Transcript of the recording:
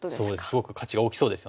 すごく価値が大きそうですよね。